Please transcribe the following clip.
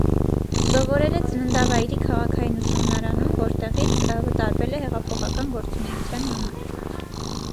Սովորել է ծննդավայրի քաղաքային ուսումնարանում, որտեղից վտարվել է հեղափոխական գործունեության համար։